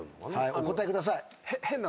お答えください。